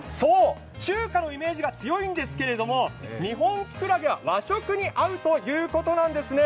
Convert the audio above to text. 中華のイメージが強いんですけど、日本きくらげは和食に合うということなんですね。